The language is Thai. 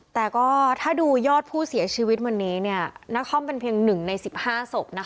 แต่ก็ถ้าดูยอดผู้เสียชีวิตวันนี้เนี่ยนักคล่อมเป็นเพียงหนึ่งในสิบห้าศพนะคะ